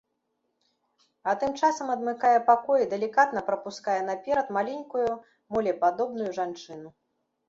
А тым часам адмыкае пакой і далікатна прапускае наперад маленькую молепадобную жанчыну.